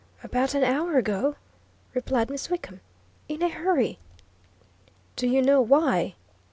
"About an hour ago," replied Miss Wickham, "in a hurry." "Do you know why?"